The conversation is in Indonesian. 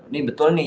ini betul nih